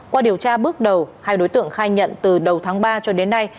qua điều tra bước đầu hai đối tượng khai nhận từ đầu tháng ba cho đến nay